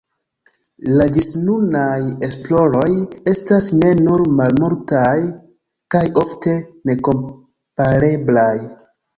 La ĝisnunaj esploroj estas ne nur malmultaj kaj ofte nekompareblaj.